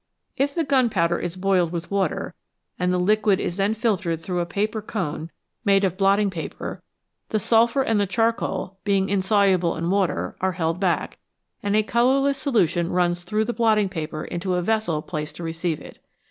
If the gunpowder is boiled with water, and the liquid is then filtered through a paper cone made of 171 EXPLOSIONS AND EXPLOSIVES blotting paper, the sulphur and the charcoal, being in soluble in water, are held back, and a colourless solution runs through the blotting paper into a vessel placed to receive it.